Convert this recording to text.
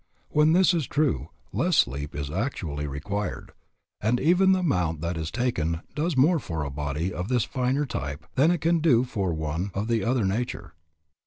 When this is true, less sleep is actually required. And even the amount that is taken does more for a body of this finer type than it can do for one of the other nature.